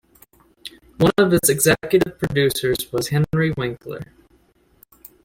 One of its executive producers was Henry Winkler.